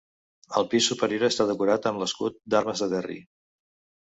El pis superior està decorat amb l'escut d'armes de Derry.